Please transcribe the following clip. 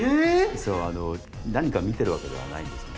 実は何か見てるわけではないんですね。